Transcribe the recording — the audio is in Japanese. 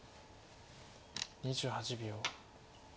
２８秒。